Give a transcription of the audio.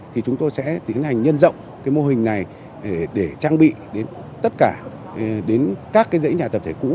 thì chúng tôi sẽ tiến hành nhân rộng mô hình này để trang bị tất cả các dãy nhà tập thể cũ